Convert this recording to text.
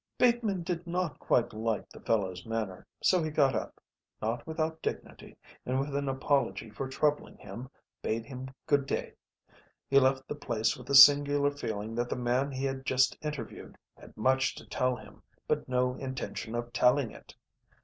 Bateman did not quite like the fellow's manner, so he got up, not without dignity, and with an apology for troubling him bade him good day. He left the place with a singular feeling that the man he had just interviewed had much to tell him, but no intention of telling it.